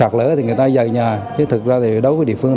chứ thật ra thì đối với địa phương